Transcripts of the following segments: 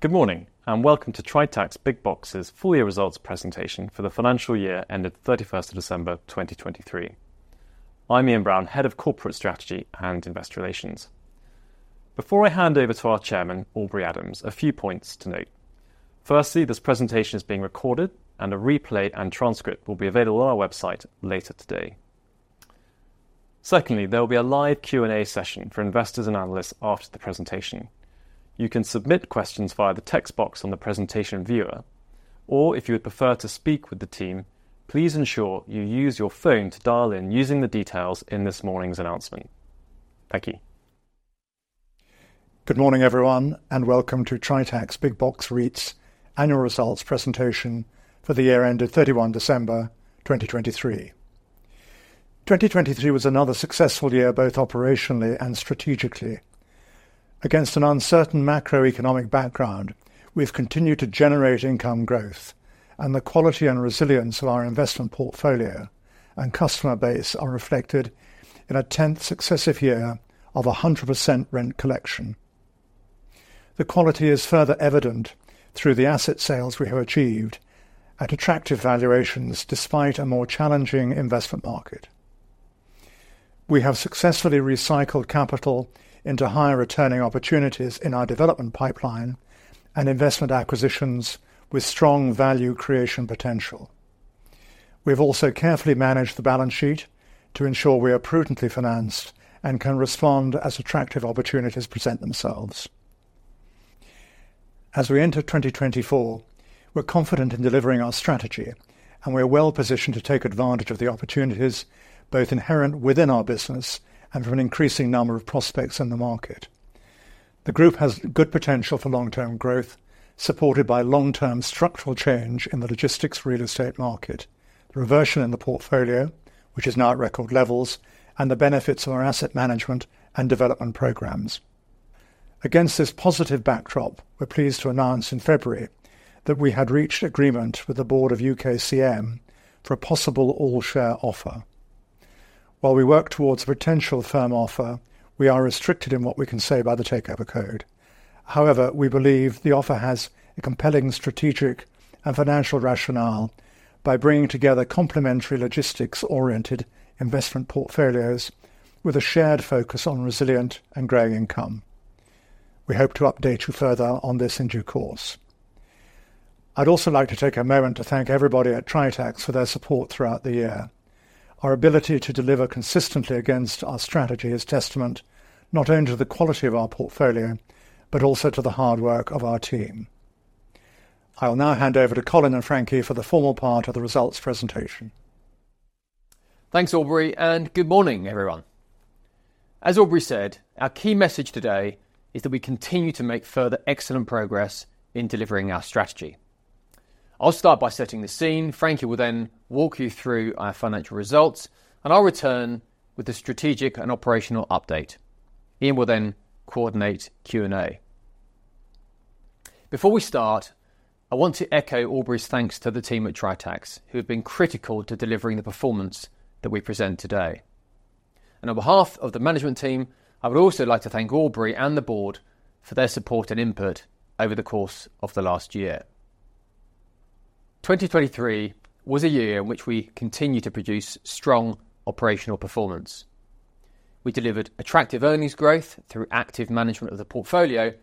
Good morning and welcome to Tritax Big Box's full-year results presentation for the financial year ended 31 December 2023. I'm Ian Brown, Head of Corporate Strategy and Investor Relations. Before I hand over to our Chairman, Aubrey Adams, a few points to note. Firstly, this presentation is being recorded, and a replay and transcript will be available on our website later today. Secondly, there will be a live Q&A session for investors and analysts after the presentation. You can submit questions via the text box on the presentation viewer, or if you would prefer to speak with the team, please ensure you use your phone to dial in using the details in this morning's announcement. Thank you. Good morning everyone, and welcome to Tritax Big Box REIT's annual results presentation for the year ended 31 December 2023. 2023 was another successful year both operationally and strategically. Against an uncertain macroeconomic background, we have continued to generate income growth, and the quality and resilience of our investment portfolio and customer base are reflected in a tenth successive year of 100% rent collection. The quality is further evident through the asset sales we have achieved at attractive valuations despite a more challenging investment market. We have successfully recycled capital into higher-returning opportunities in our development pipeline and investment acquisitions with strong value creation potential. We have also carefully managed the balance sheet to ensure we are prudently financed and can respond as attractive opportunities present themselves. As we enter 2024, we're confident in delivering our strategy, and we are well positioned to take advantage of the opportunities both inherent within our business and from an increasing number of prospects in the market. The group has good potential for long-term growth, supported by long-term structural change in the logistics/real estate market, the reversal in the portfolio which is now at record levels, and the benefits of our asset management and development programs. Against this positive backdrop, we're pleased to announce in February that we had reached agreement with the board of UKCM for a possible all-share offer. While we work towards a potential firm offer, we are restricted in what we can say by the takeover code. However, we believe the offer has a compelling strategic and financial rationale by bringing together complementary logistics-oriented investment portfolios with a shared focus on resilient and growing income. We hope to update you further on this in due course. I'd also like to take a moment to thank everybody at Tritax for their support throughout the year. Our ability to deliver consistently against our strategy is testament not only to the quality of our portfolio but also to the hard work of our team. I will now hand over to Colin and Frankie for the formal part of the results presentation. Thanks, Aubrey, and good morning everyone. As Aubrey said, our key message today is that we continue to make further excellent progress in delivering our strategy. I'll start by setting the scene, Frankie will then walk you through our financial results, and I'll return with a strategic and operational update. Ian will then coordinate Q&A. Before we start, I want to echo Aubrey's thanks to the team at Tritax who have been critical to delivering the performance that we present today. On behalf of the management team, I would also like to thank Aubrey and the board for their support and input over the course of the last year. 2023 was a year in which we continue to produce strong operational performance. We delivered attractive earnings growth through active management of the portfolio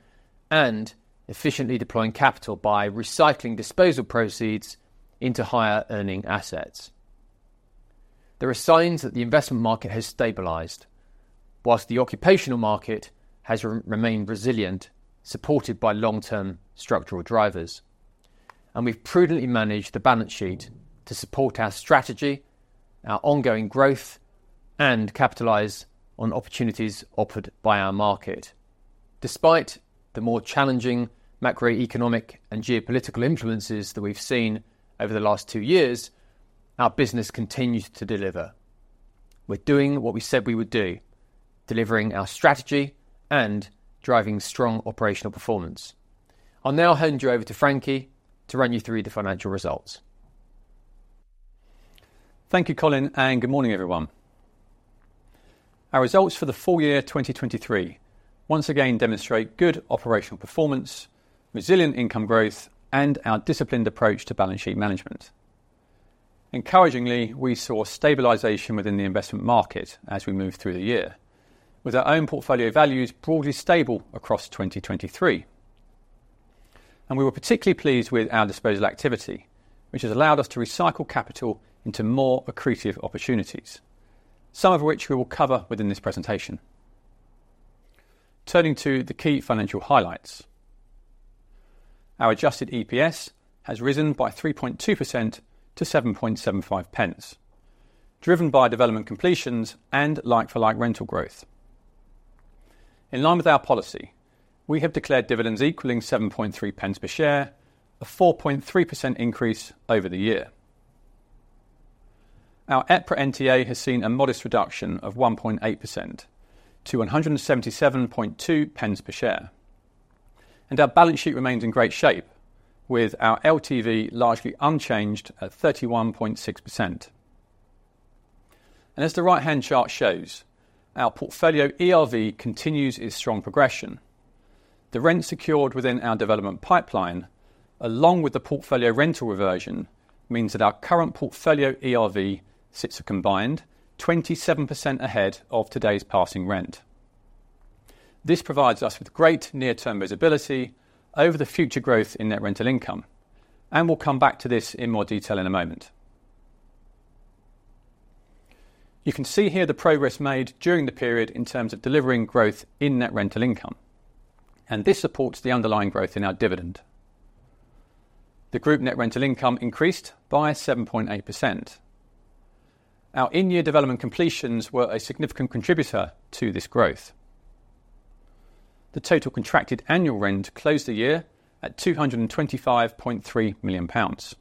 and efficiently deploying capital by recycling disposal proceeds into higher-earning assets. There are signs that the investment market has stabilized, while the occupational market has remained resilient, supported by long-term structural drivers. We've prudently managed the balance sheet to support our strategy, our ongoing growth, and capitalize on opportunities offered by our market. Despite the more challenging macroeconomic and geopolitical influences that we've seen over the last two years, our business continues to deliver. We're doing what we said we would do: delivering our strategy and driving strong operational performance. I'll now hand you over to Frankie to run you through the financial results. Thank you, Colin, and good morning everyone. Our results for the full year 2023 once again demonstrate good operational performance, resilient income growth, and our disciplined approach to balance sheet management. Encouragingly, we saw stabilization within the investment market as we moved through the year, with our own portfolio values broadly stable across 2023. We were particularly pleased with our disposal activity, which has allowed us to recycle capital into more accretive opportunities, some of which we will cover within this presentation. Turning to the key financial highlights: our Adjusted EPS has risen by 3.2% to 0.0775, driven by development completions and like-for-like rental growth. In line with our policy, we have declared dividends equaling 0.073 per share, a 4.3% increase over the year. Our EPRA NTA has seen a modest reduction of 1.8% to 1.772 per share. Our balance sheet remains in great shape, with our LTV largely unchanged at 31.6%. As the right-hand chart shows, our portfolio ERV continues its strong progression. The rent secured within our development pipeline, along with the portfolio rental reversion, means that our current portfolio ERV sits a combined 27% ahead of today's passing rent. This provides us with great near-term visibility over the future growth in net rental income, and we'll come back to this in more detail in a moment. You can see here the progress made during the period in terms of delivering growth in net rental income, and this supports the underlying growth in our dividend. The group net rental income increased by 7.8%. Our in-year development completions were a significant contributor to this growth. The total contracted annual rent closed the year at 225.3 million pounds.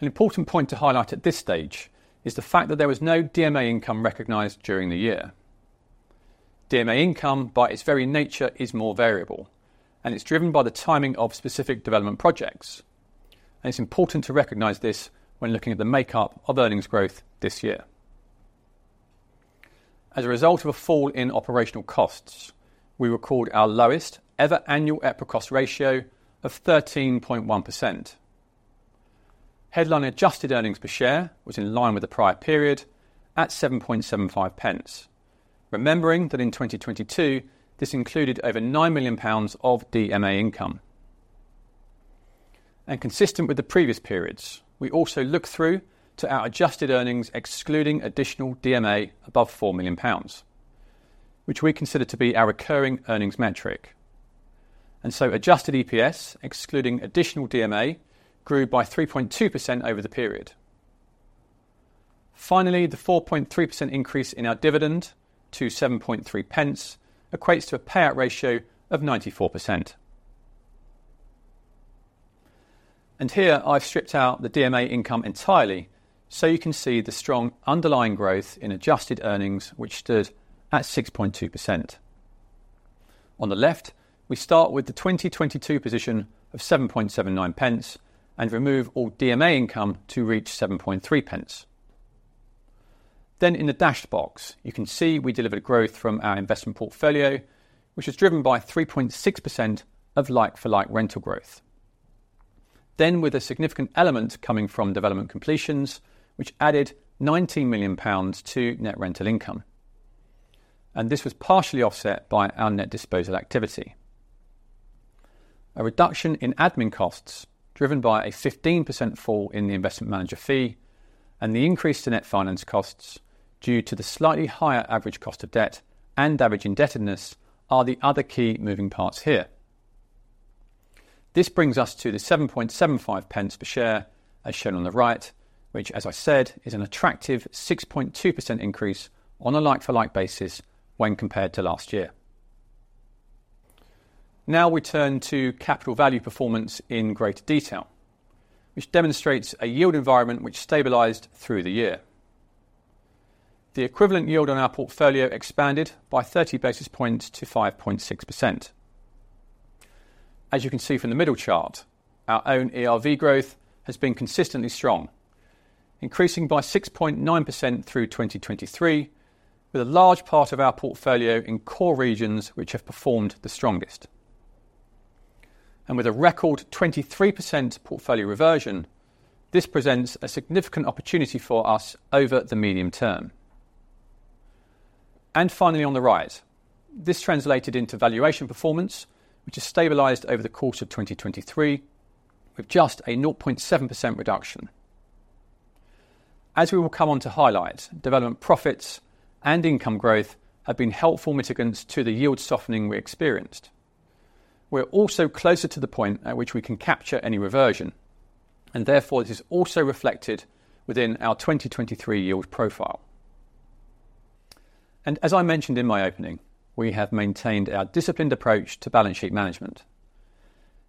An important point to highlight at this stage is the fact that there was no DMA income recognized during the year. DMA income, by its very nature, is more variable, and it's driven by the timing of specific development projects. It's important to recognize this when looking at the makeup of earnings growth this year. As a result of a fall in operational costs, we record our lowest ever annual EPRA cost ratio of 13.1%. Headline adjusted earnings per share was in line with the prior period at 7.75p, remembering that in 2022 this included over 9 million pounds of DMA income. Consistent with the previous periods, we also looked through to our adjusted earnings excluding additional DMA above 4 million pounds, which we consider to be our recurring earnings metric. So adjusted EPS excluding additional DMA grew by 3.2% over the period. Finally, the 4.3% increase in our dividend to 0.073 equates to a payout ratio of 94%. Here I've stripped out the DMA income entirely so you can see the strong underlying growth in adjusted earnings, which stood at 6.2%. On the left, we start with the 2022 position of 0.0779 and remove all DMA income to reach 0.073. In the dashed box, you can see we delivered growth from our investment portfolio, which was driven by 3.6% of like-for-like rental growth. Then with a significant element coming from development completions, which added 19 million pounds to net rental income. This was partially offset by our net disposal activity. A reduction in admin costs driven by a 15% fall in the investment manager fee and the increase to net finance costs due to the slightly higher average cost of debt and average indebtedness are the other key moving parts here. This brings us to the GBP 7.75p per share, as shown on the right, which, as I said, is an attractive 6.2% increase on a like-for-like basis when compared to last year. Now we turn to capital value performance in greater detail, which demonstrates a yield environment which stabilized through the year. The equivalent yield on our portfolio expanded by 30 basis points to 5.6%. As you can see from the middle chart, our own ERV growth has been consistently strong, increasing by 6.9% through 2023, with a large part of our portfolio in core regions which have performed the strongest. Finally on the right, this translated into valuation performance, which has stabilized over the course of 2023 with just a 0.7% reduction. As we will come on to highlight, development profits and income growth have been helpful mitigants to the yield softening we experienced. We're also closer to the point at which we can capture any reversion, and therefore this is also reflected within our 2023 yield profile. As I mentioned in my opening, we have maintained our disciplined approach to balance sheet management.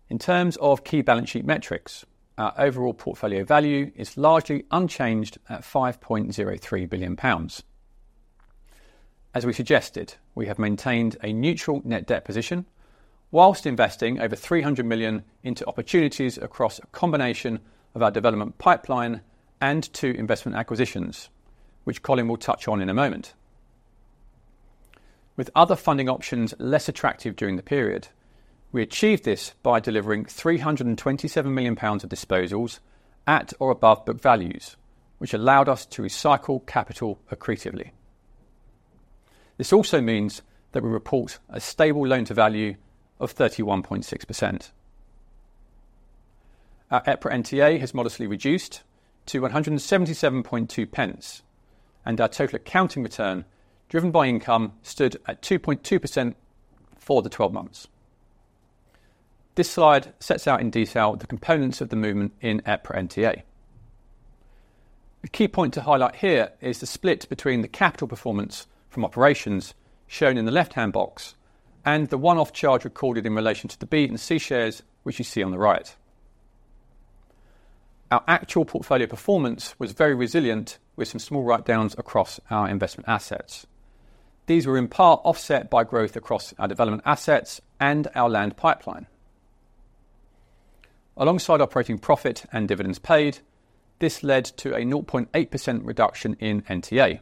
In terms of key balance sheet metrics, our overall portfolio value is largely unchanged at 5.03 billion pounds. As we suggested, we have maintained a neutral net debt position while investing over 300 million into opportunities across a combination of our development pipeline and two investment acquisitions, which Colin will touch on in a moment. With other funding options less attractive during the period, we achieved this by delivering 327 million pounds of disposals at or above book values, which allowed us to recycle capital accretively. This also means that we report a stable loan-to-value of 31.6%. Our EPRA NTA has modestly reduced to 177.2p, and our total accounting return driven by income stood at 2.2% for the 12 months. This slide sets out in detail the components of the movement in EPRA NTA. A key point to highlight here is the split between the capital performance from operations, shown in the left-hand box, and the one-off charge recorded in relation to the B and C shares, which you see on the right. Our actual portfolio performance was very resilient, with some small write-downs across our investment assets. These were in part offset by growth across our development assets and our land pipeline. Alongside operating profit and dividends paid, this led to a 0.8% reduction in NTA.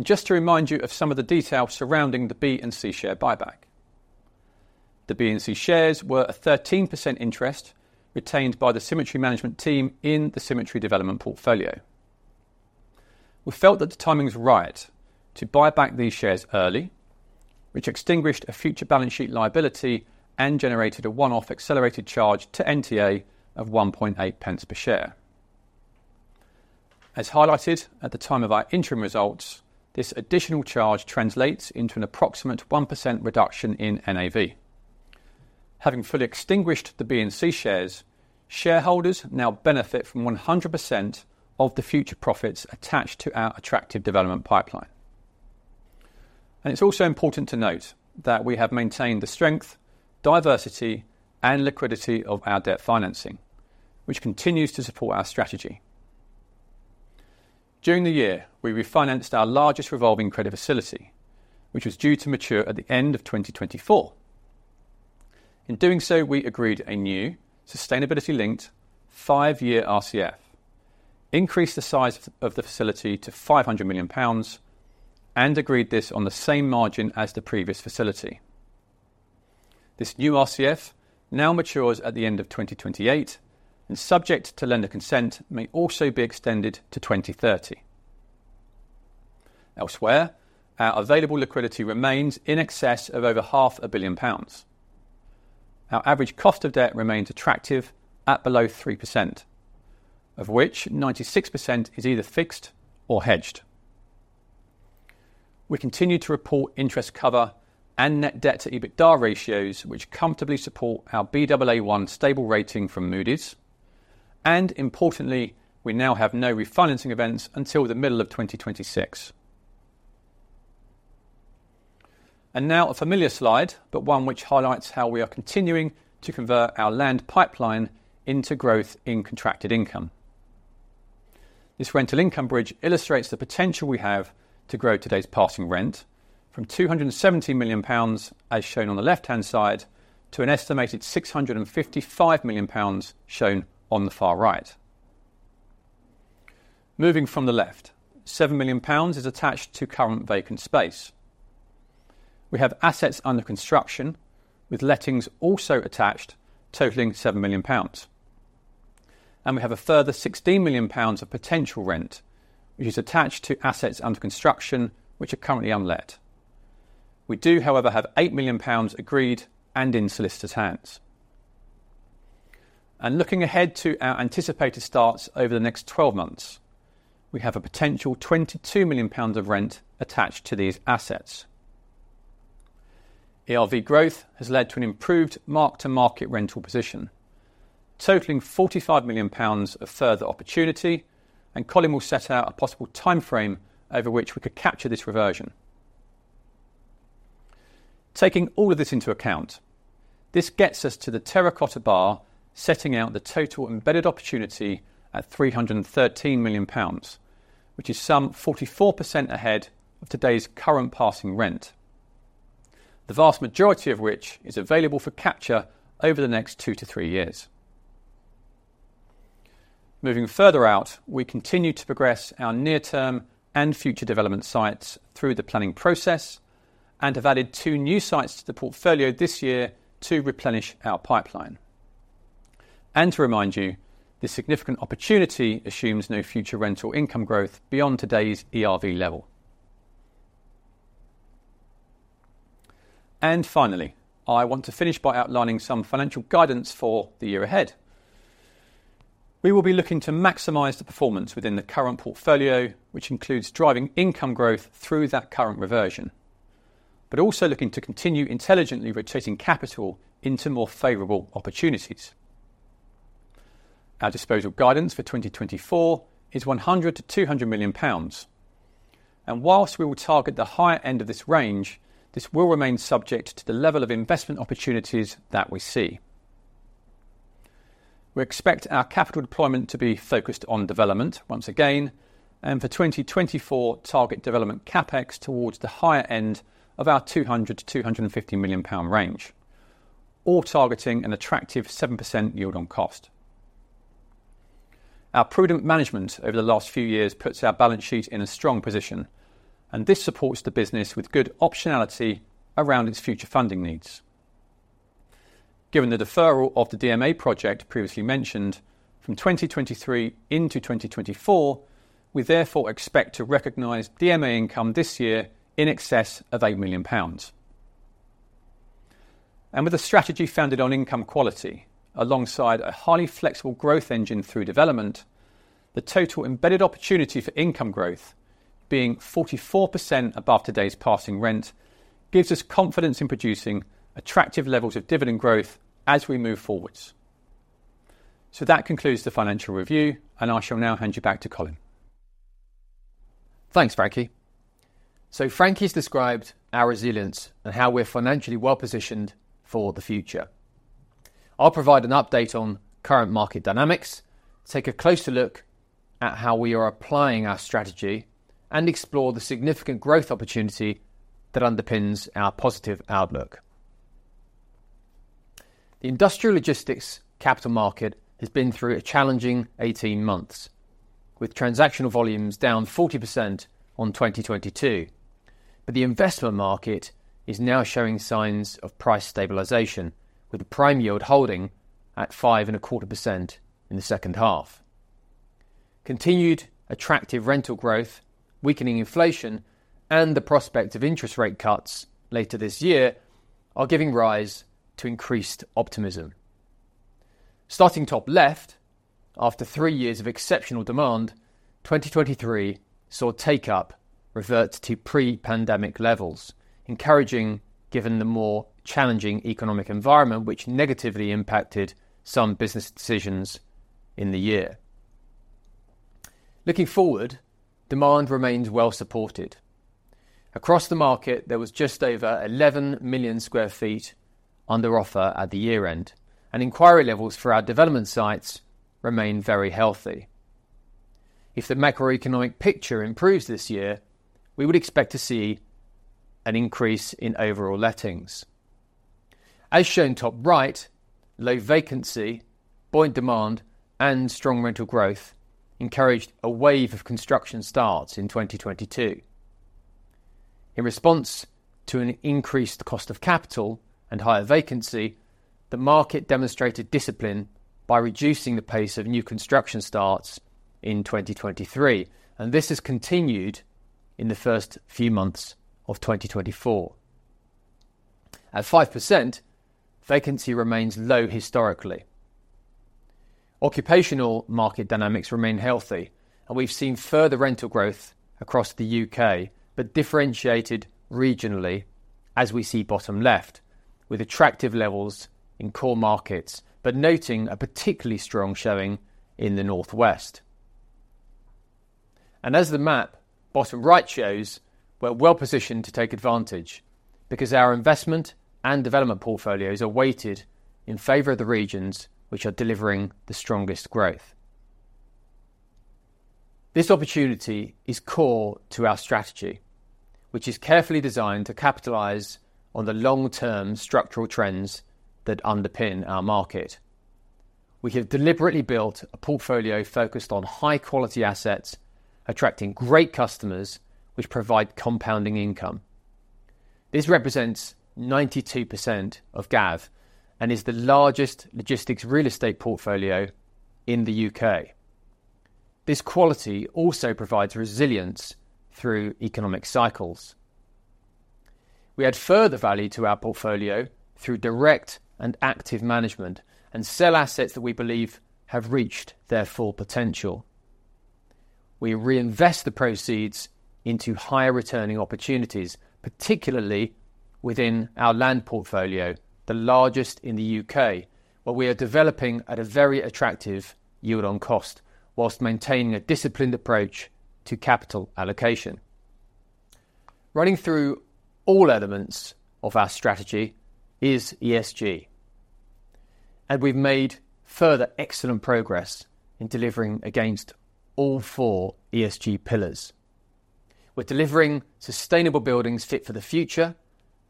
Just to remind you of some of the detail surrounding the B and C share buyback: the B and C shares were a 13% interest retained by the Symmetry management team in the Symmetry development portfolio. We felt that the timing was right to buy back these shares early, which extinguished a future balance sheet liability and generated a one-off accelerated charge to NTA of 1.8p per share. As highlighted at the time of our interim results, this additional charge translates into an approximate 1% reduction in NAV. Having fully extinguished the B and C shares, shareholders now benefit from 100% of the future profits attached to our attractive development pipeline. It's also important to note that we have maintained the strength, diversity, and liquidity of our debt financing, which continues to support our strategy. During the year, we refinanced our largest revolving credit facility, which was due to mature at the end of 2024. In doing so, we agreed a new, sustainability-linked five-year RCF, increased the size of the facility to 500 million pounds, and agreed this on the same margin as the previous facility. This new RCF now matures at the end of 2028, and subject to lender consent, may also be extended to 2030. Elsewhere, our available liquidity remains in excess of over 500 million pounds. Our average cost of debt remains attractive at below 3%, of which 96% is either fixed or hedged. We continue to report interest cover and net debt to EBITDA ratios, which comfortably support our Baa1 stable rating from Moody's. Importantly, we now have no refinancing events until the middle of 2026. Now a familiar slide, but one which highlights how we are continuing to convert our land pipeline into growth in contracted income. This rental income bridge illustrates the potential we have to grow today's passing rent from 270 million pounds, as shown on the left-hand side, to an estimated 655 million pounds, shown on the far right. Moving from the left, 7 million pounds is attached to current vacant space. We have assets under construction with lettings also attached, totaling 7 million pounds. We have a further 16 million pounds of potential rent, which is attached to assets under construction, which are currently unlet. We do, however, have 8 million pounds agreed and in solicitor's hands. Looking ahead to our anticipated starts over the next 12 months, we have a potential 22 million pounds of rent attached to these assets. ERV growth has led to an improved mark-to-market rental position, totaling 45 million pounds of further opportunity, and Colin will set out a possible timeframe over which we could capture this reversion. Taking all of this into account, this gets us to the terracotta bar setting out the total embedded opportunity at 313 million pounds, which is some 44% ahead of today's current passing rent, the vast majority of which is available for capture over the next 2-3 years. Moving further out, we continue to progress our near-term and future development sites through the planning process and have added two new sites to the portfolio this year to replenish our pipeline. To remind you, this significant opportunity assumes no future rental income growth beyond today's ERV level. Finally, I want to finish by outlining some financial guidance for the year ahead. We will be looking to maximize the performance within the current portfolio, which includes driving income growth through that current reversion, but also looking to continue intelligently rotating capital into more favorable opportunities. Our disposal guidance for 2024 is 100 million-200 million pounds. While we will target the higher end of this range, this will remain subject to the level of investment opportunities that we see. We expect our capital deployment to be focused on development once again, and for 2024 target development CapEx towards the higher end of our 200 million-250 million pound range, all targeting an attractive 7% yield on cost. Our prudent management over the last few years puts our balance sheet in a strong position, and this supports the business with good optionality around its future funding needs. Given the deferral of the DMA project previously mentioned, from 2023 into 2024, we therefore expect to recognize DMA income this year in excess of 8 million pounds. With a strategy founded on income quality alongside a highly flexible growth engine through development, the total embedded opportunity for income growth being 44% above today's passing rent gives us confidence in producing attractive levels of dividend growth as we move forward. That concludes the financial review, and I shall now hand you back to Colin. Thanks, Frankie. Frankie's described our resilience and how we're financially well-positioned for the future. I'll provide an update on current market dynamics, take a closer look at how we are applying our strategy, and explore the significant growth opportunity that underpins our positive outlook. The industrial logistics capital market has been through a challenging 18 months, with transactional volumes down 40% on 2022. But the investment market is now showing signs of price stabilization, with the prime yield holding at 5.25% in the second half. Continued attractive rental growth, weakening inflation, and the prospect of interest rate cuts later this year are giving rise to increased optimism. Starting top left, after three years of exceptional demand, 2023 saw take-up revert to pre-pandemic levels, encouraging given the more challenging economic environment, which negatively impacted some business decisions in the year. Looking forward, demand remains well-supported. Across the market, there was just over 11 million sq ft under offer at the year-end, and inquiry levels for our development sites remain very healthy. If the macroeconomic picture improves this year, we would expect to see an increase in overall lettings. As shown top right, low vacancy, buoyant demand, and strong rental growth encouraged a wave of construction starts in 2022. In response to an increased cost of capital and higher vacancy, the market demonstrated discipline by reducing the pace of new construction starts in 2023, and this has continued in the first few months of 2024. At 5%, vacancy remains low historically. Occupational market dynamics remain healthy, and we've seen further rental growth across the UK but differentiated regionally, as we see bottom left, with attractive levels in core markets, but noting a particularly strong showing in the northwest. As the map bottom right shows, we're well-positioned to take advantage because our investment and development portfolios are weighted in favor of the regions which are delivering the strongest growth. This opportunity is core to our strategy, which is carefully designed to capitalize on the long-term structural trends that underpin our market. We have deliberately built a portfolio focused on high-quality assets attracting great customers, which provide compounding income. This represents 92% of GAV and is the largest logistics real estate portfolio in the U.K. This quality also provides resilience through economic cycles. We add further value to our portfolio through direct and active management and sell assets that we believe have reached their full potential. We reinvest the proceeds into higher-returning opportunities, particularly within our land portfolio, the largest in the U.K., where we are developing at a very attractive yield on cost while maintaining a disciplined approach to capital allocation. Running through all elements of our strategy is ESG, and we've made further excellent progress in delivering against all four ESG pillars. We're delivering sustainable buildings fit for the future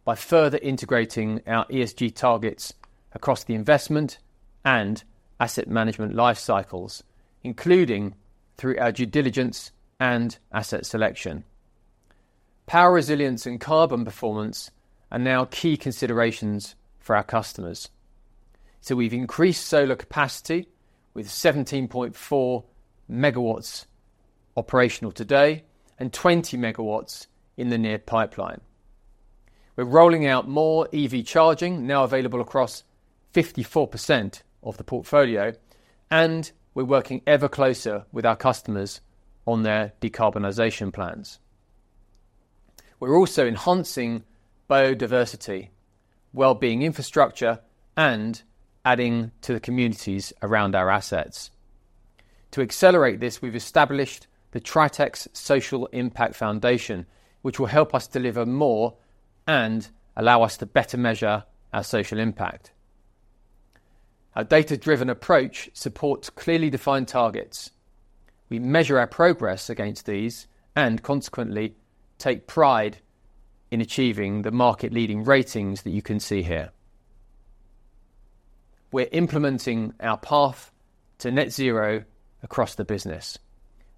by further integrating our ESG targets across the investment and asset management lifecycles, including through our due diligence and asset selection. Power resilience and carbon performance are now key considerations for our customers. So we've increased solar capacity with 17.4 megawatts operational today and 20 megawatts in the near pipeline. We're rolling out more EV charging, now available across 54% of the portfolio, and we're working ever closer with our customers on their decarbonization plans. We're also enhancing biodiversity, well-being infrastructure, and adding to the communities around our assets. To accelerate this, we've established the Tritax Social Impact Foundation, which will help us deliver more and allow us to better measure our social impact. Our data-driven approach supports clearly defined targets. We measure our progress against these and consequently take pride in achieving the market-leading ratings that you can see here. We're implementing our path to net zero across the business.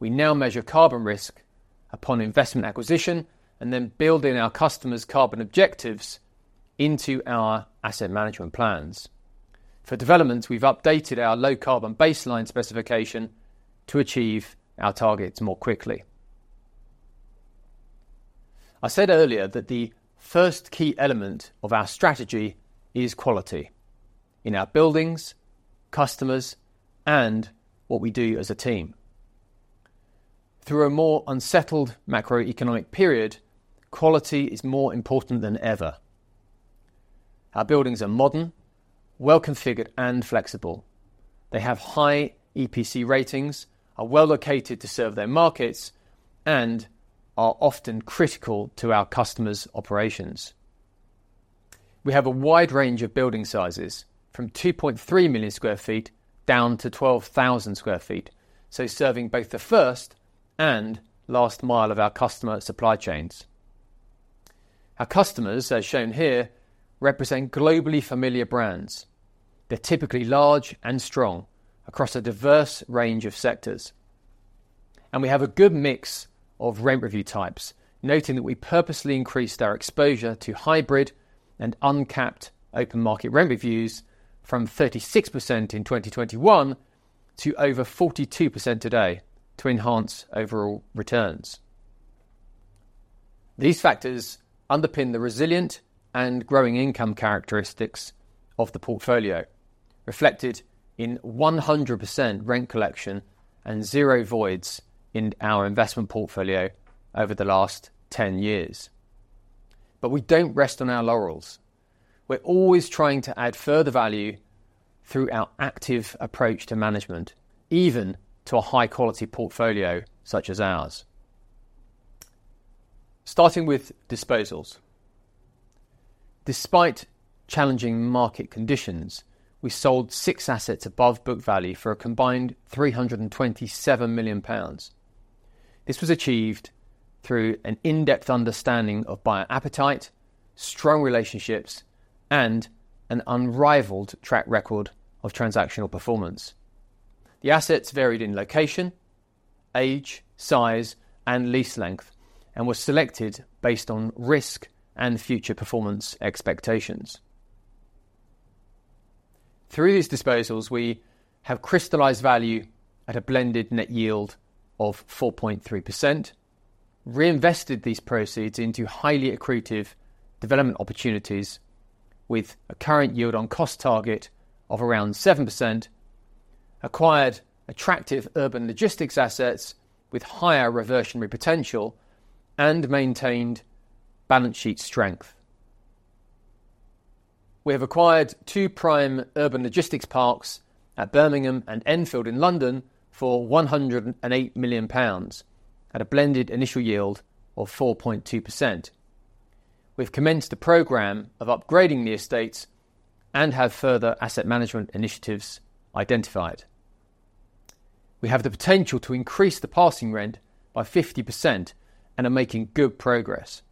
We now measure carbon risk upon investment acquisition and then build in our customers' carbon objectives into our asset management plans. For developments, we've updated our low-carbon baseline specification to achieve our targets more quickly. I said earlier that the first key element of our strategy is quality in our buildings, customers, and what we do as a team. Through a more unsettled macroeconomic period, quality is more important than ever. Our buildings are modern, well-configured, and flexible. They have high EPC ratings, are well-located to serve their markets, and are often critical to our customers' operations. We have a wide range of building sizes from 2.3 million sq ft down to 12,000 sq ft, so serving both the first and last mile of our customer supply chains. Our customers, as shown here, represent globally familiar brands. They're typically large and strong across a diverse range of sectors. We have a good mix of rent review types, noting that we purposely increased our exposure to hybrid and uncapped open market rent reviews from 36% in 2021 to over 42% today to enhance overall returns. These factors underpin the resilient and growing income characteristics of the portfolio, reflected in 100% rent collection and zero voids in our investment portfolio over the last 10 years. We don't rest on our laurels. We're always trying to add further value through our active approach to management, even to a high-quality portfolio such as ours. Starting with disposals. Despite challenging market conditions, we sold six assets above book value for a combined 327 million pounds. This was achieved through an in-depth understanding of buyer appetite, strong relationships, and an unrivaled track record of transactional performance. The assets varied in location, age, size, and lease length, and were selected based on risk and future performance expectations. Through these disposals, we have crystallized value at a blended net yield of 4.3%, reinvested these proceeds into highly accretive development opportunities with a current yield on cost target of around 7%, acquired attractive urban logistics assets with higher reversionary potential, and maintained balance sheet strength. We have acquired two prime urban logistics parks at Birmingham and Enfield in London for 108 million pounds at a blended initial yield of 4.2%. We've commenced a program of upgrading the estates and have further asset management initiatives identified. We have the potential to increase the passing rent by 50% and are making good progress.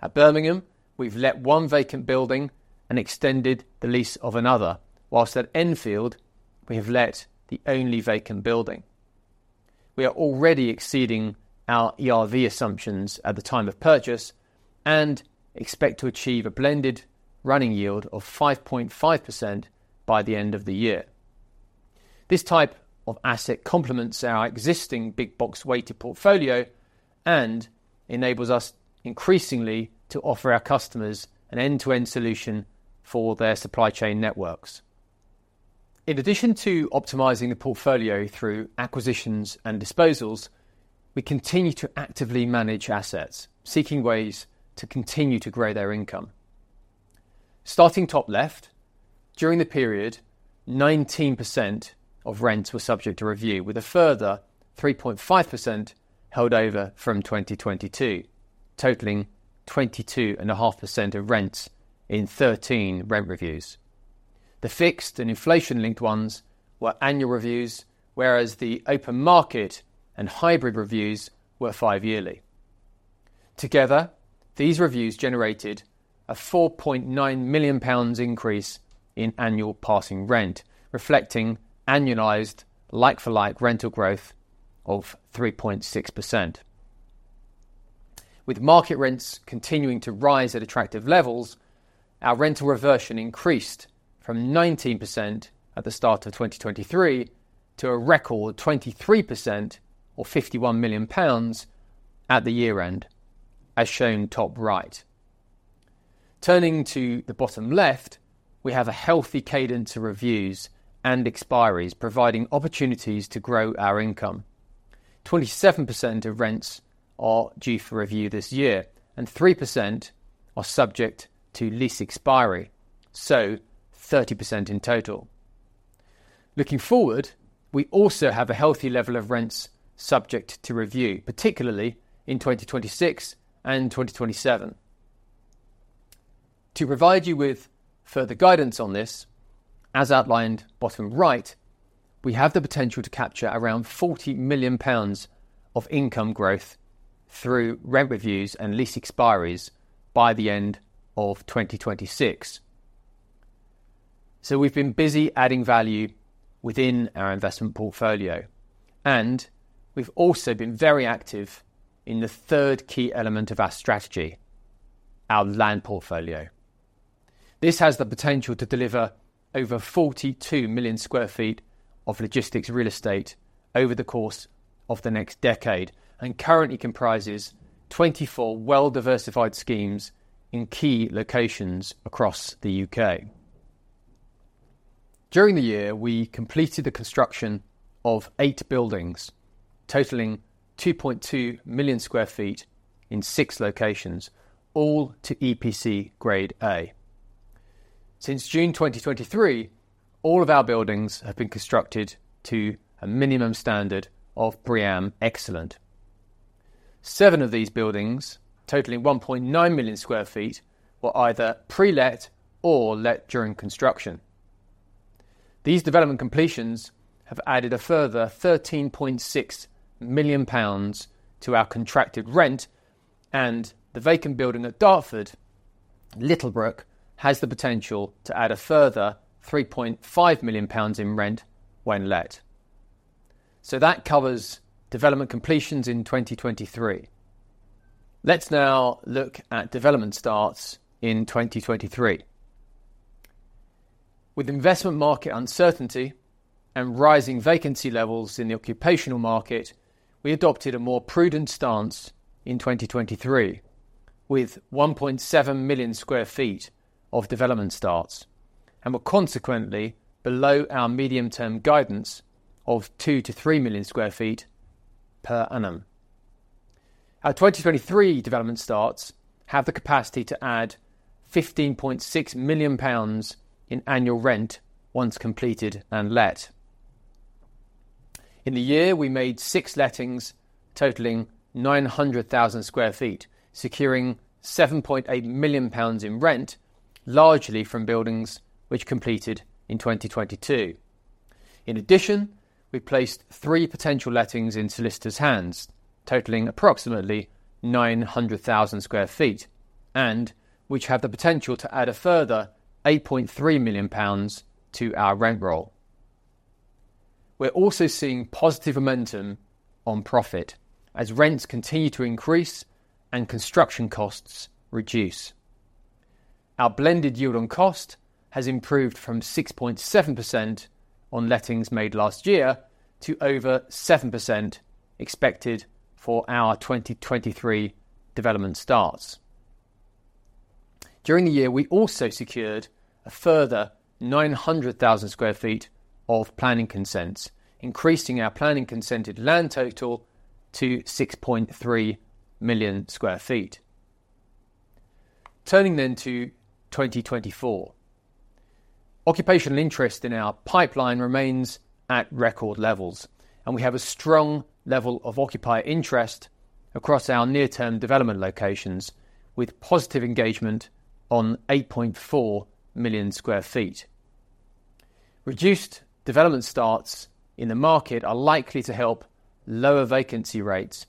At Birmingham, we've let one vacant building and extended the lease of another, while at Enfield, we have let the only vacant building. We are already exceeding our ERV assumptions at the time of purchase and expect to achieve a blended running yield of 5.5% by the end of the year. This type of asset complements our existing big box weighted portfolio and enables us increasingly to offer our customers an end-to-end solution for their supply chain networks. In addition to optimizing the portfolio through acquisitions and disposals, we continue to actively manage assets, seeking ways to continue to grow their income. Starting top left, during the period, 19% of rents were subject to review, with a further 3.5% held over from 2022, totaling 22.5% of rents in 13 rent reviews. The fixed and inflation-linked ones were annual reviews, whereas the open market and hybrid reviews were five-yearly. Together, these reviews generated a 4.9 million pounds increase in annual passing rent, reflecting annualized like-for-like rental growth of 3.6%. With market rents continuing to rise at attractive levels, our rental reversion increased from 19% at the start of 2023 to a record 23% or 51 million pounds at the year-end, as shown top right. Turning to the bottom left, we have a healthy cadence of reviews and expiries, providing opportunities to grow our income. 27% of rents are due for review this year, and 3% are subject to lease expiry, so 30% in total. Looking forward, we also have a healthy level of rents subject to review, particularly in 2026 and 2027. To provide you with further guidance on this, as outlined bottom right, we have the potential to capture around 40 million pounds of income growth through rent reviews and lease expiries by the end of 2026. We've been busy adding value within our investment portfolio, and we've also been very active in the third key element of our strategy, our land portfolio. This has the potential to deliver over 42 million sq ft of logistics real estate over the course of the next decade and currently comprises 24 well-diversified schemes in key locations across the U.K. During the year, we completed the construction of eight buildings, totaling 2.2 million sq ft in six locations, all to EPC grade A. Since June 2023, all of our buildings have been constructed to a minimum standard of BREEAM Excellent. Seven of these buildings, totaling 1.9 million sq ft, were either pre-let or let during construction. These development completions have added a further 13.6 million pounds to our contracted rent, and the vacant building at Dartford, Littlebrook, has the potential to add a further 3.5 million pounds in rent when let. So that covers development completions in 2023. Let's now look at development starts in 2023. With investment market uncertainty and rising vacancy levels in the occupational market, we adopted a more prudent stance in 2023 with 1.7 million sq ft of development starts and were consequently below our medium-term guidance of 2-3 million sq ft per annum. Our 2023 development starts have the capacity to add 15.6 million pounds in annual rent once completed and let. In the year, we made six lettings, totalling 900,000 sq ft, securing 7.8 million pounds in rent, largely from buildings which completed in 2022. In addition, we placed three potential lettings in solicitors' hands, totalling approximately 900,000 sq ft, and which have the potential to add a further 8.3 million pounds to our rent roll. We're also seeing positive momentum on profit as rents continue to increase and construction costs reduce. Our blended yield on cost has improved from 6.7% on lettings made last year to over 7% expected for our 2023 development starts. During the year, we also secured a further 900,000 sq ft of planning consents, increasing our planning consented land total to 6.3 million sq ft. Turning then to 2024. Occupational interest in our pipeline remains at record levels, and we have a strong level of occupier interest across our near-term development locations, with positive engagement on 8.4 million sq ft. Reduced development starts in the market are likely to help lower vacancy rates,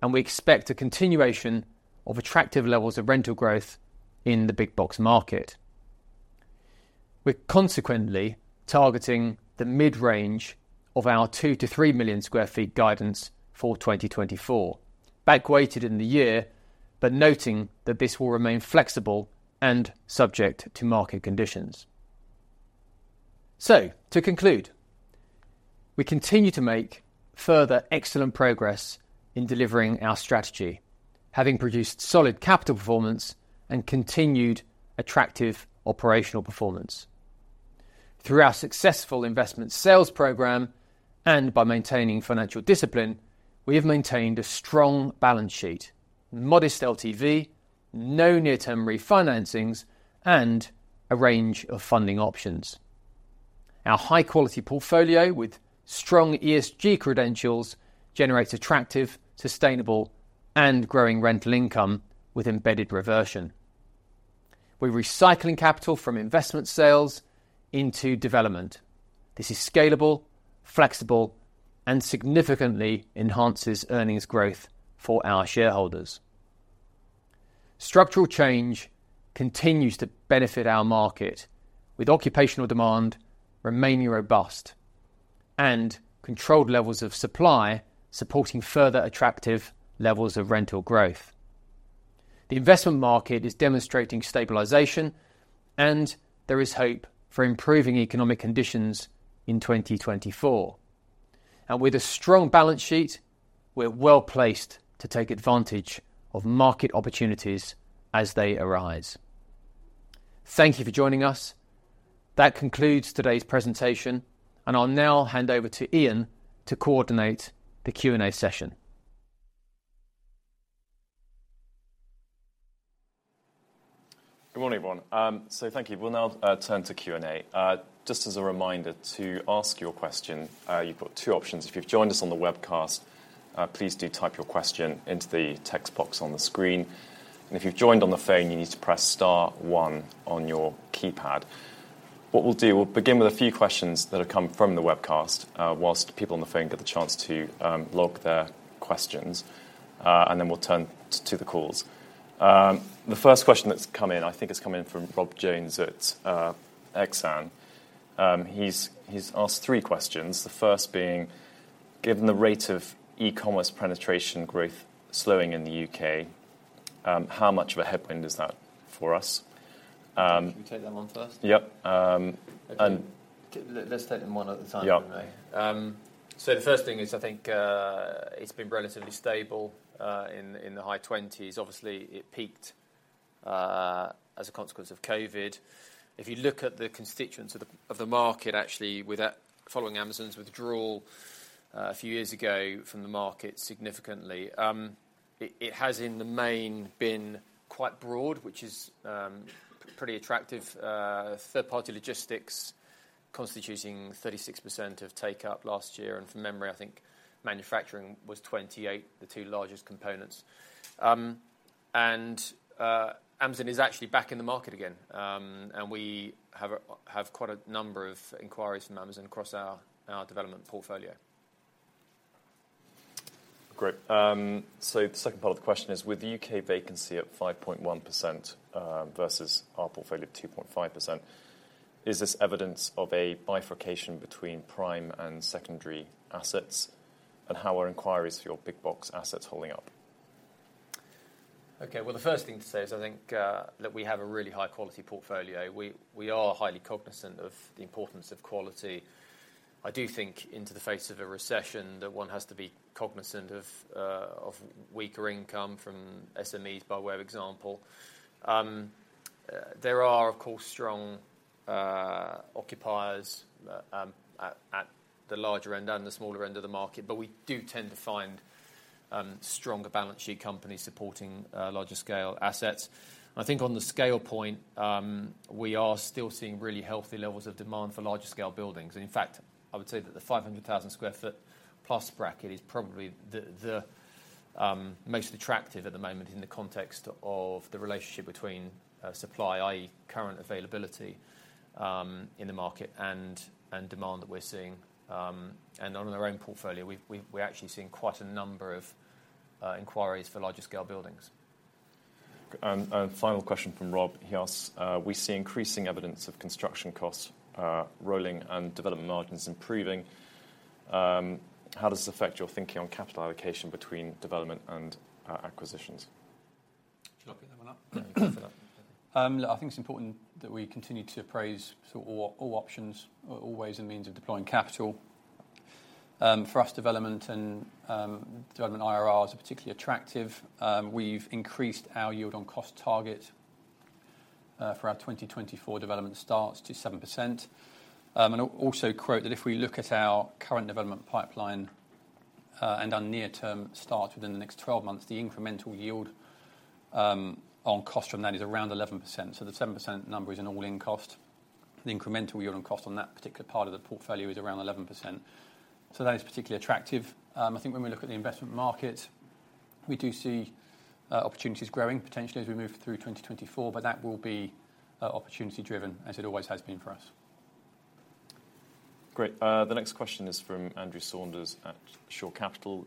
and we expect a continuation of attractive levels of rental growth in the big box market. We're consequently targeting the mid-range of our 2-3 million sq ft guidance for 2024, backweighted in the year, but noting that this will remain flexible and subject to market conditions. To conclude, we continue to make further excellent progress in delivering our strategy, having produced solid capital performance and continued attractive operational performance. Through our successful investment sales program and by maintaining financial discipline, we have maintained a strong balance sheet, modest LTV, no near-term refinancings, and a range of funding options. Our high-quality portfolio with strong ESG credentials generates attractive, sustainable, and growing rental income with embedded reversion. We're recycling capital from investment sales into development. This is scalable, flexible, and significantly enhances earnings growth for our shareholders. Structural change continues to benefit our market, with occupational demand remaining robust and controlled levels of supply supporting further attractive levels of rental growth. The investment market is demonstrating stabilization, and there is hope for improving economic conditions in 2024. With a strong balance sheet, we're well placed to take advantage of market opportunities as they arise. Thank you for joining us. That concludes today's presentation, and I'll now hand over to Ian to coordinate the Q&A session. Good morning, everyone. So thank you. We'll now turn to Q&A. Just as a reminder to ask your question, you've got two options. If you've joined us on the webcast, please do type your question into the text box on the screen. And if you've joined on the phone, you need to press star one on your keypad. What we'll do, we'll begin with a few questions that have come from the webcast whilst people on the phone get the chance to log their questions, and then we'll turn to the calls. The first question that's come in, I think it's come in from Rob Jones at Exane. He's asked three questions, the first being, given the rate of e-commerce penetration growth slowing in the UK, how much of a headwind is that for us? Can we take that one first? Yep. Let's take them one at a time, then. Yeah. So the first thing is, I think it's been relatively stable in the high 20s. Obviously, it peaked as a consequence of COVID. If you look at the constituents of the market, actually, following Amazon's withdrawal a few years ago from the market significantly, it has, in the main, been quite broad, which is pretty attractive. Third-party logistics constituting 36% of take-up last year. And from memory, I think manufacturing was 28%, the two largest components. And Amazon is actually back in the market again, and we have quite a number of inquiries from Amazon across our development portfolio. Great. So the second part of the question is, with the U.K. vacancy at 5.1% versus our portfolio at 2.5%, is this evidence of a bifurcation between prime and secondary assets, and how are inquiries for your big box assets holding up? OK, well, the first thing to say is, I think that we have a really high-quality portfolio. We are highly cognizant of the importance of quality. I do think, into the face of a recession, that one has to be cognizant of weaker income from SMEs, by way of example. There are, of course, strong occupiers at the larger end and the smaller end of the market, but we do tend to find stronger balance sheet companies supporting larger-scale assets. I think on the scale point, we are still seeing really healthy levels of demand for larger-scale buildings. And in fact, I would say that the 500,000 sq ft plus bracket is probably the most attractive at the moment in the context of the relationship between supply, i.e., current availability in the market, and demand that we're seeing. On our own portfolio, we're actually seeing quite a number of inquiries for larger-scale buildings. Final question from Rob. He asks, We see increasing evidence of construction costs rolling and development margins improving. How does this affect your thinking on capital allocation between development and acquisitions? Should I pick that one up? Yeah, you can pick that one. Look, I think it's important that we continue to appraise all options, all ways and means of deploying capital. For us, development and development IRRs are particularly attractive. We've increased our yield on cost target for our 2024 development starts to 7%. And I'll also quote that if we look at our current development pipeline and our near-term starts within the next 12 months, the incremental yield on cost from that is around 11%. So the 7% number is an all-in cost. The incremental yield on cost on that particular part of the portfolio is around 11%. So that is particularly attractive. I think when we look at the investment markets, we do see opportunities growing, potentially, as we move through 2024, but that will be opportunity-driven, as it always has been for us. Great. The next question is from Andrew Sheridan at Shore Capital.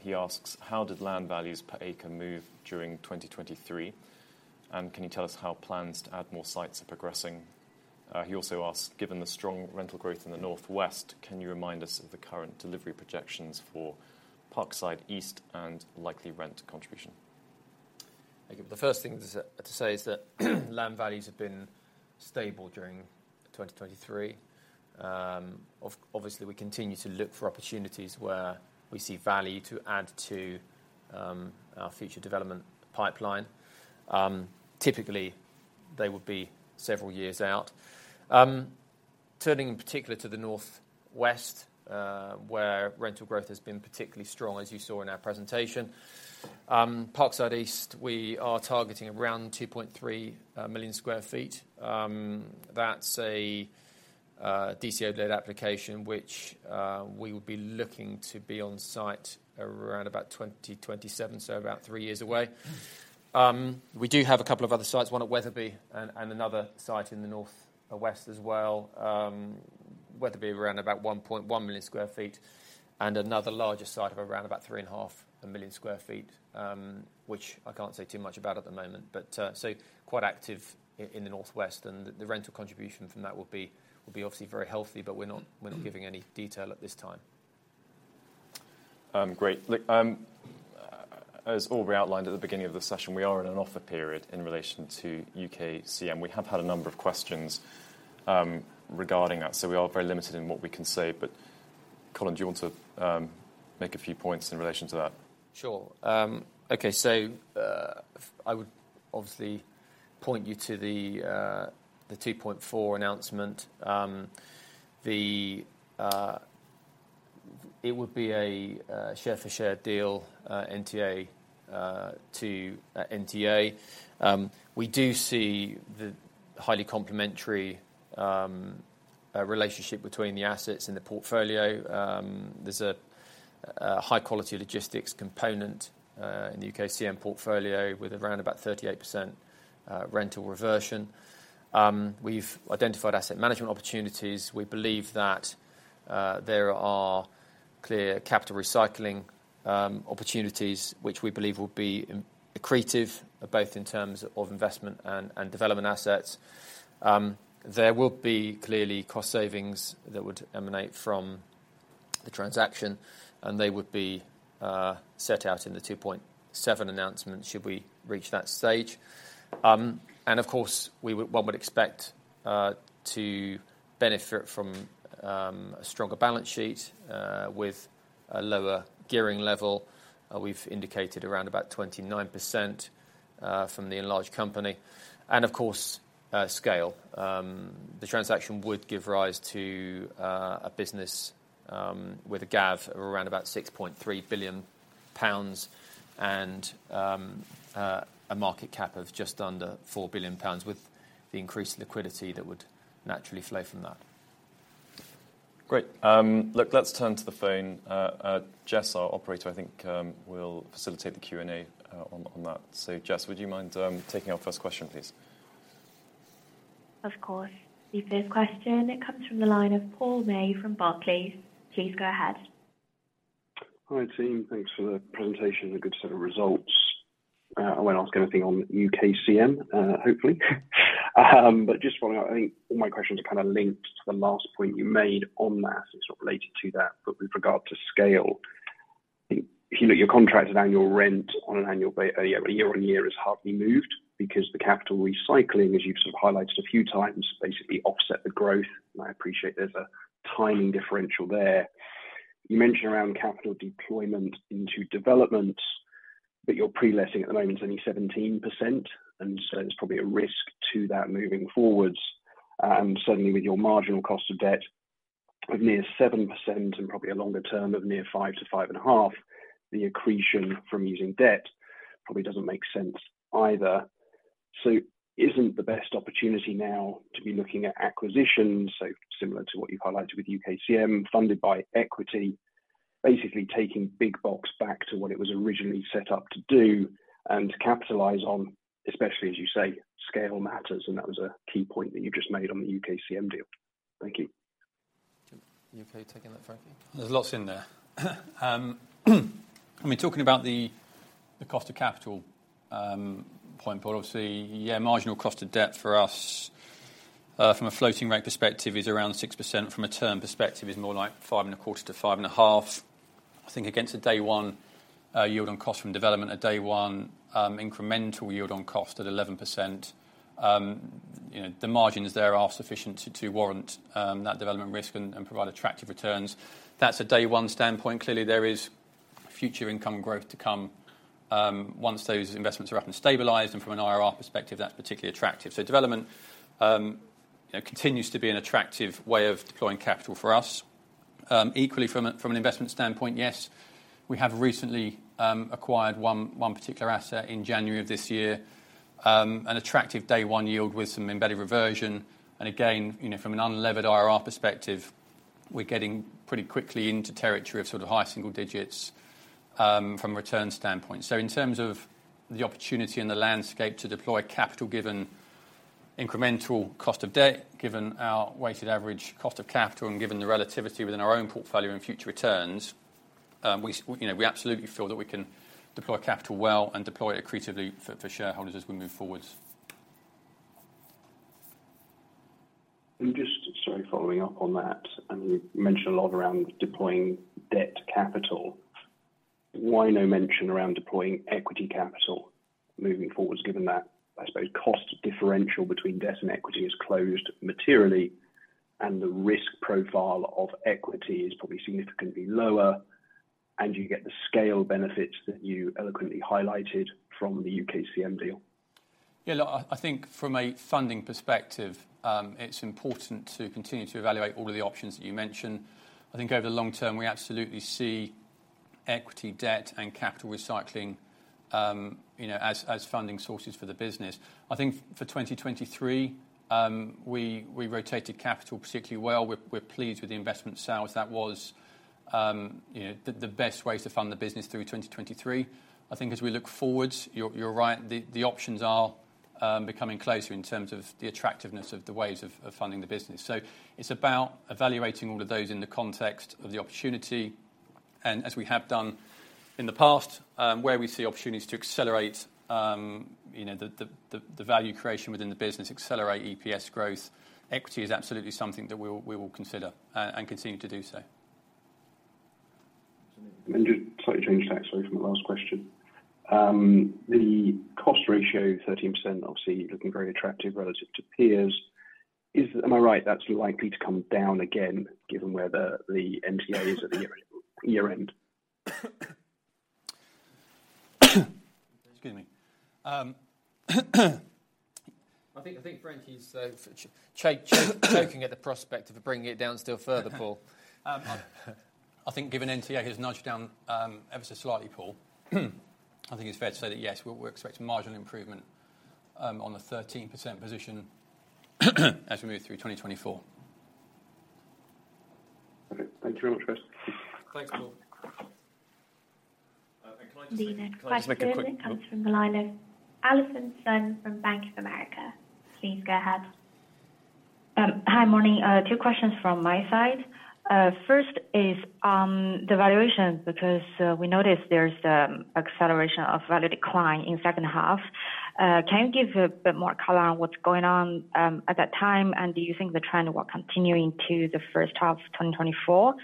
He asks, how did land values per acre move during 2023, and can you tell us how plans to add more sites are progressing? He also asks, given the strong rental growth in the northwest, can you remind us of the current delivery projections for Parkside East and likely rent contribution? OK, well, the first thing to say is that land values have been stable during 2023. Obviously, we continue to look for opportunities where we see value to add to our future development pipeline. Typically, they would be several years out. Turning in particular to the northwest, where rental growth has been particularly strong, as you saw in our presentation, Parkside East, we are targeting around 2.3 million sq ft. That's a DCO-led application, which we would be looking to be on site around about 2027, so about three years away. We do have a couple of other sites, one at Wetherby and another site in the northwest as well, Wetherby around about 1.1 million sq ft, and another larger site of around about 3.5 million sq ft, which I can't say too much about at the moment. But so quite active in the northwest, and the rental contribution from that will be obviously very healthy, but we're not giving any detail at this time. Great. Look, as Aubrey outlined at the beginning of the session, we are in an offer period in relation to UKCM. We have had a number of questions regarding that, so we are very limited in what we can say. But Colin, do you want to make a few points in relation to that? Sure. OK, so I would obviously point you to the 2.4 announcement. It would be a share-for-share deal, NTA to NTA. We do see the highly complementary relationship between the assets in the portfolio. There's a high-quality logistics component in the UKCM portfolio with around about 38% rental reversion. We've identified asset management opportunities. We believe that there are clear capital recycling opportunities, which we believe will be accretive, both in terms of investment and development assets. There will be clearly cost savings that would emanate from the transaction, and they would be set out in the 2.7 announcement should we reach that stage. And of course, one would expect to benefit from a stronger balance sheet with a lower gearing level. We've indicated around about 29% from the enlarged company. And of course, scale. The transaction would give rise to a business with a GAV of around about 6.3 billion pounds and a market cap of just under 4 billion pounds, with the increased liquidity that would naturally flow from that. Great. Look, let's turn to the phone. Jess, our operator, I think, will facilitate the Q&A on that. So Jess, would you mind taking our first question, please? Of course. The first question, it comes from the line of Paul May from Barclays. Please go ahead. Hi team. Thanks for the presentation and a good set of results. I won't ask anything on UKCM, hopefully. But just following up, I think all my questions are kind of linked to the last point you made on that. It's not related to that, but with regard to scale, if you look at your contracted annual rent on an annual basis, year on year is hardly moved because the capital recycling, as you've sort of highlighted a few times, basically offsets the growth. And I appreciate there's a timing differential there. You mentioned around capital deployment into development that you're pre-letting at the moment is only 17%, and so there's probably a risk to that moving forwards. And certainly, with your marginal cost of debt of near 7% and probably a longer term of near 5%-5.5%, the accretion from using debt probably doesn't make sense either. So isn't the best opportunity now to be looking at acquisitions, so similar to what you've highlighted with UKCM, funded by equity, basically taking Big Box back to what it was originally set up to do and capitalize on, especially, as you say, scale matters? And that was a key point that you've just made on the UKCM deal. Thank you. You OK taking that, Frankie? There's lots in there. I mean, talking about the cost of capital point, but obviously, yeah, marginal cost of debt for us, from a floating rate perspective, is around 6%. From a term perspective, it's more like 5.25%-5.5%. I think against a day one yield on cost from development, a day one incremental yield on cost at 11%, the margins there are sufficient to warrant that development risk and provide attractive returns. That's a day one standpoint. Clearly, there is future income growth to come once those investments are up and stabilized. And from an IRR perspective, that's particularly attractive. So development continues to be an attractive way of deploying capital for us. Equally, from an investment standpoint, yes. We have recently acquired one particular asset in January of this year, an attractive day one yield with some embedded reversion. And again, from an unlevered IRR perspective, we're getting pretty quickly into territory of sort of high single digits from a return standpoint. In terms of the opportunity and the landscape to deploy capital given incremental cost of debt, given our weighted average cost of capital, and given the relativity within our own portfolio and future returns, we absolutely feel that we can deploy capital well and deploy it accretively for shareholders as we move forward. And just, sorry, following up on that, you mentioned a lot around deploying debt capital. Why no mention around deploying equity capital moving forwards, given that, I suppose, cost differential between debt and equity has closed materially, and the risk profile of equity is probably significantly lower, and you get the scale benefits that you eloquently highlighted from the UKCM deal? Yeah, look, I think from a funding perspective, it's important to continue to evaluate all of the options that you mentioned. I think over the long term, we absolutely see equity, debt, and capital recycling as funding sources for the business. I think for 2023, we rotated capital particularly well. We're pleased with the investment sales. That was the best ways to fund the business through 2023. I think as we look forward, you're right, the options are becoming closer in terms of the attractiveness of the ways of funding the business. So it's about evaluating all of those in the context of the opportunity, and as we have done in the past, where we see opportunities to accelerate the value creation within the business, accelerate EPS growth, equity is absolutely something that we will consider and continue to do so. Just slightly changed that, sorry, from the last question. The cost ratio, 13%, obviously looking very attractive relative to peers. Am I right that's likely to come down again, given where the NTA is at the year end? Excuse me. I think Frankie's choking at the prospect of bringing it down still further, Paul. I think given NTA has nudged down ever so slightly, Paul, I think it's fair to say that, yes, we'll expect marginal improvement on the 13% position as we move through 2024. OK, thank you very much, Chris. Thanks, Paul. Lena. Can I just make a quick comment? Alison Sun from Bank of America. Please go ahead. Hi, Moni. Two questions from my side. First is on the valuations, because we noticed there's an acceleration of value decline in the second half. Can you give a bit more color on what's going on at that time, and do you think the trend will continue into the first half of 2024?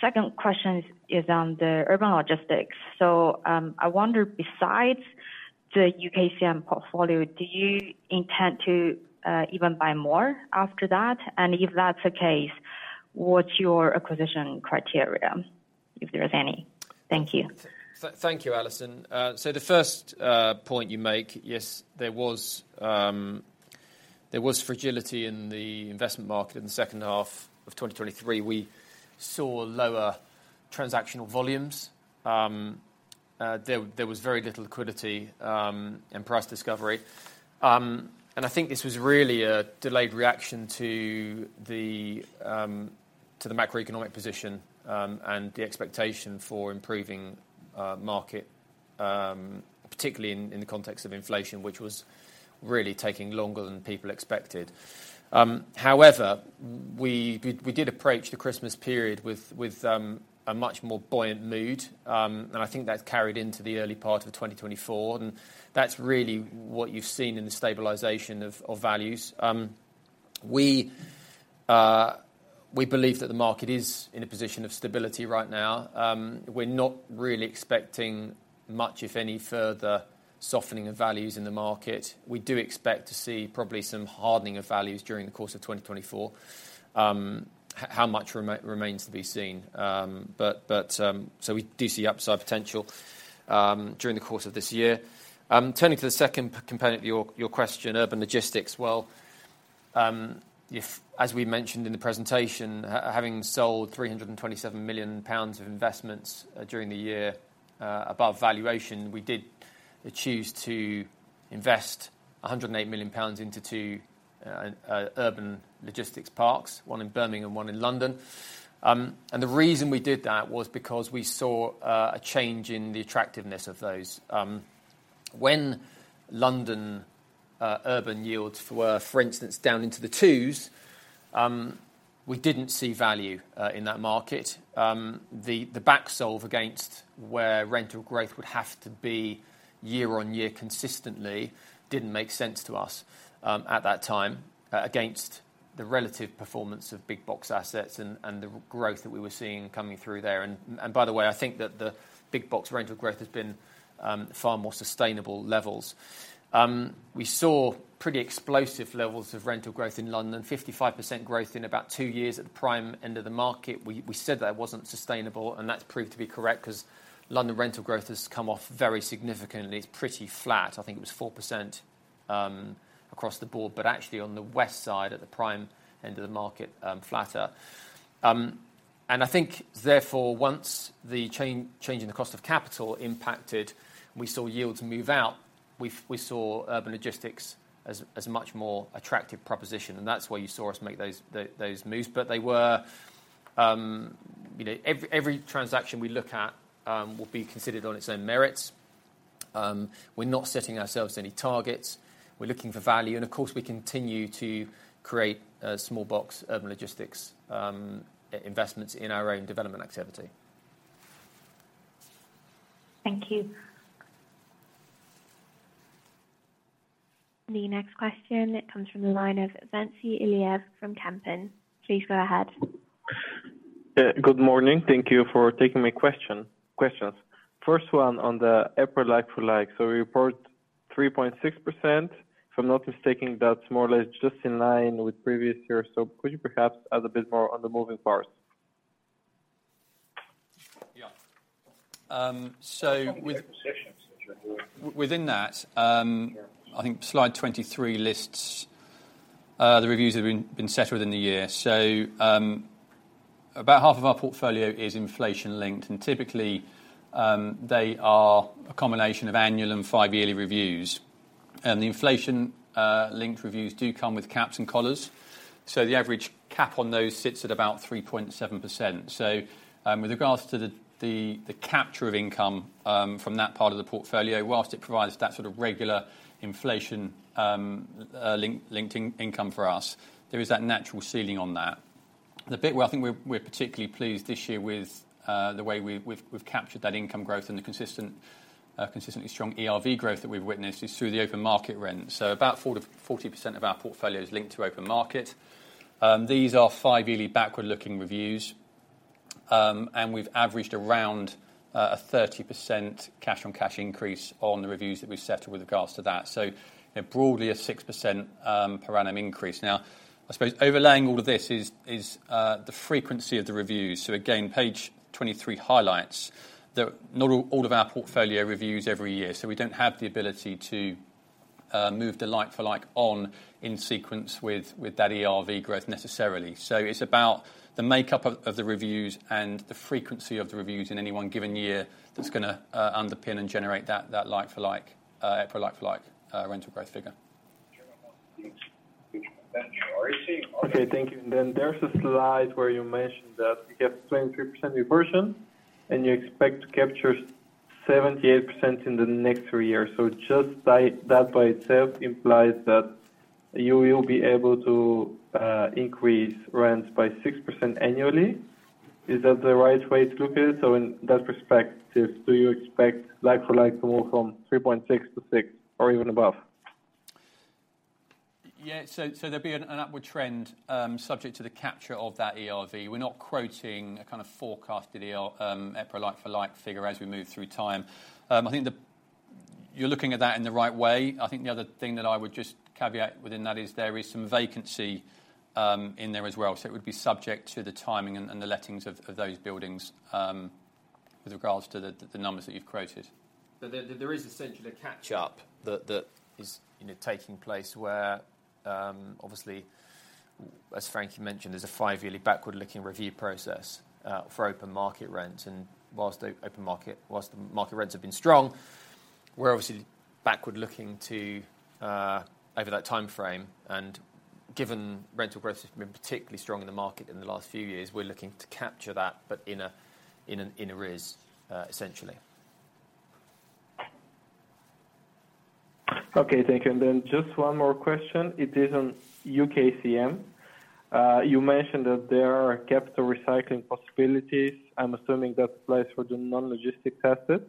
Second question is on the urban logistics. So I wonder, besides the UKCM portfolio, do you intend to even buy more after that? And if that's the case, what's your acquisition criteria, if there is any? Thank you. Thank you, Alison. So the first point you make, yes, there was fragility in the investment market in the second half of 2023. We saw lower transactional volumes. There was very little liquidity and price discovery. And I think this was really a delayed reaction to the macroeconomic position and the expectation for improving market, particularly in the context of inflation, which was really taking longer than people expected. However, we did approach the Christmas period with a much more buoyant mood, and I think that's carried into the early part of 2024. And that's really what you've seen in the stabilization of values. We believe that the market is in a position of stability right now. We're not really expecting much, if any, further softening of values in the market. We do expect to see probably some hardening of values during the course of 2024. How much remains to be seen. But so we do see upside potential during the course of this year. Turning to the second component of your question, urban logistics, well, as we mentioned in the presentation, having sold 327 million pounds of investments during the year above valuation, we did choose to invest 108 million pounds into two urban logistics parks, one in Birmingham and one in London. And the reason we did that was because we saw a change in the attractiveness of those. When London urban yields were, for instance, down into the twos, we didn't see value in that market. The backsolve against where rental growth would have to be year-on-year consistently didn't make sense to us at that time, against the relative performance of big box assets and the growth that we were seeing coming through there. And by the way, I think that the big box rental growth has been far more sustainable levels. We saw pretty explosive levels of rental growth in London, 55% growth in about 2 years at the prime end of the market. We said that it wasn't sustainable, and that's proved to be correct, because London rental growth has come off very significantly. It's pretty flat. I think it was 4% across the board, but actually on the west side at the prime end of the market, flatter. And I think, therefore, once the change in the cost of capital impacted and we saw yields move out, we saw urban logistics as a much more attractive proposition. And that's why you saw us make those moves. But they were every transaction we look at will be considered on its own merits. We're not setting ourselves any targets. We're looking for value. Of course, we continue to create small box urban logistics investments in our own development activity. Thank you. The next question, it comes from the line of Venci Ilyev from Kempen. Please go ahead. Yeah, good morning. Thank you for taking my questions. First one on the April like-for-like. So we report 3.6%. If I'm not mistaken, that's more or less just in line with previous years. So could you perhaps add a bit more on the moving parts? Yeah. So within that, I think slide 23 lists the reviews that have been set within the year. So about half of our portfolio is inflation linked, and typically they are a combination of annual and five-yearly reviews. And the inflation-linked reviews do come with caps and collars. So the average cap on those sits at about 3.7%. So with regards to the capture of income from that part of the portfolio, whilst it provides that sort of regular inflation-linked income for us, there is that natural ceiling on that. The bit where I think we're particularly pleased this year with the way we've captured that income growth and the consistently strong ERV growth that we've witnessed is through the open market rent. So about 40% of our portfolio is linked to open market. These are five-yearly backward-looking reviews. And we've averaged around a 30% cash-on-cash increase on the reviews that we've settled with regards to that. So broadly, a 6% per annum increase. Now, I suppose overlaying all of this is the frequency of the reviews. So again, page 23 highlights that not all of our portfolio reviews every year. So we don't have the ability to move the like-for-like on in sequence with that ERV growth necessarily. So it's about the makeup of the reviews and the frequency of the reviews in any one given year that's going to underpin and generate that April like-for-like rental growth figure. OK, thank you. And then there's a slide where you mentioned that you have 23% reversion, and you expect to capture 78% in the next three years. So just that by itself implies that you will be able to increase rents by 6% annually. Is that the right way to look at it? So in that perspective, do you expect like-for-like to move from 3.6%-6% or even above? Yeah, so there'll be an upward trend subject to the capture of that ERV. We're not quoting a kind of forecasted ERV like-for-like figure as we move through time. I think you're looking at that in the right way. I think the other thing that I would just caveat within that is there is some vacancy in there as well. So it would be subject to the timing and the lettings of those buildings with regards to the numbers that you've quoted. So there is essentially a catch-up that is taking place where, obviously, as Frankie mentioned, there's a five-yearly backward-looking review process for open market rents. And while the market rents have been strong, we're obviously backward-looking over that time frame. And given rental growth has been particularly strong in the market in the last few years, we're looking to capture that, but in a rise, essentially. OK, thank you. And then just one more question. It is on UKCM. You mentioned that there are capital recycling possibilities. I'm assuming that applies for the non-logistics assets.